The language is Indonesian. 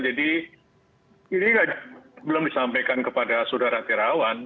jadi ini belum disampaikan kepada saudara tirawan